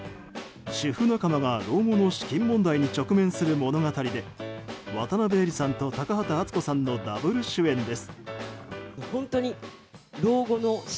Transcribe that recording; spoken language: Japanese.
主婦仲間が老後の資金問題に直面する物語で渡辺えりさんと高畑淳子さんのダブル主演です。